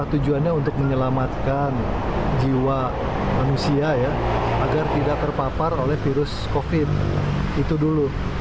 tujuannya untuk menyelamatkan jiwa manusia ya agar tidak terpapar oleh virus covid itu dulu